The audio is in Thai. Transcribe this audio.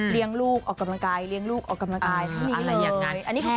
เลี้ยงลูกออกกำลังกายเลี้ยงลูกออกกำลังกายทั้งนี้เลย